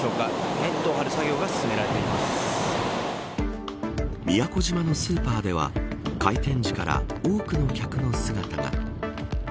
ネットを張る作業が宮古島のスーパーでは開店時から多くの客の姿が。